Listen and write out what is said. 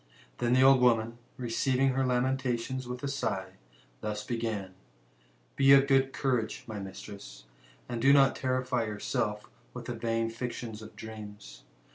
Then the old woman, receiving her lamentations wtdi a sigh, thus began :*' Be of good courage, my mistress^ and do not terrify yourself with the vain fictions <^ dreams.